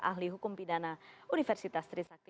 ahli hukum pidana universitas trisakti